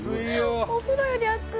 お風呂より暑い。